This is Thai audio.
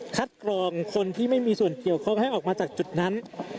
กรองคนที่ไม่มีส่วนเกี่ยวข้องให้ออกมาจากจุดนั้น